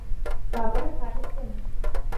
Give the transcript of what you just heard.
با بڕێک پارەت بدەمێ.